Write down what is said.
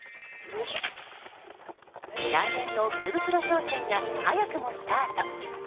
来年の福袋商戦が早くもスタート。